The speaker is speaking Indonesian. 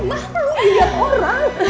bah lu liat orang